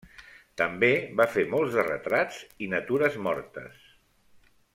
També va fer molts de retrats i natures mortes.